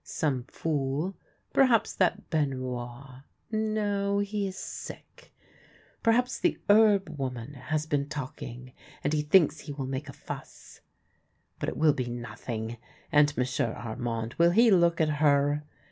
Some fool, perhaps that Benoit — no, he is sick, — per haps the herb woman has been talking, and he thinks he will make a fuss. But it will be nothing. And M'sieu' Armand, will he look at her!